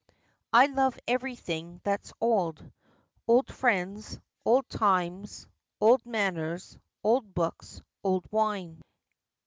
"I love everything that's old old friends, old times, old manners, old books, old wine."